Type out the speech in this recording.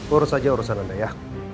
urus aja urusan anda ya